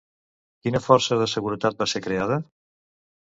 Quina força de seguretat va ser creada?